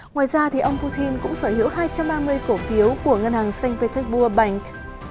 ngoài ra ông putin cũng sở hữu hai trăm ba mươi cổ phiếu của ngân hàng st petersburg bank